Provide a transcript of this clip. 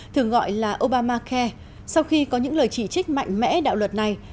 thường gọi là obamacare sau khi có những lời chỉ trích mạnh mẽ đạo luật này